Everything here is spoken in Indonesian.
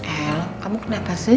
el kamu kenapa sih